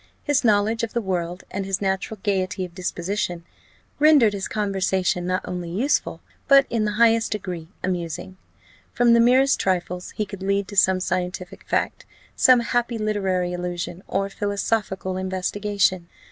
His knowledge of the world, and his natural gaiety of disposition, rendered his conversation not only useful, but in the highest degree amusing. From the merest trifles he could lead to some scientific fact, some happy literary allusion, or philosophical investigation.